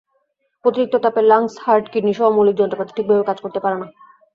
অতিরিক্ত তাপে lungs, heart, কিডনিসহ মৌলিক যন্ত্রপাতি ঠিকভাবে কাজ করতে পারে না।